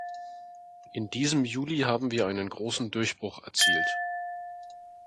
In diesem Juli haben wir einen großen Durchbruch erzielt.